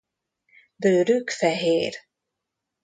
Bőrük fehér.